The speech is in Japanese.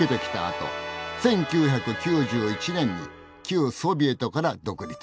あと１９９１年に旧ソビエトから独立。